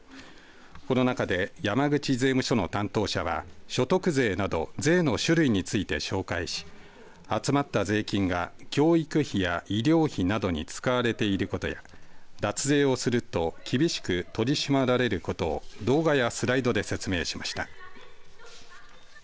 この中で山口税務署の担当者は所得税など税の種類について紹介し集まった税金が教育費や医療費などに使われていることや脱税をすると厳しく取り締まられることを動画やスライドで説明しました。